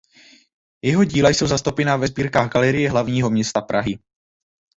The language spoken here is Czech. Jeho díla jsou zastoupena ve sbírkách Galerie hlavního města Prahy.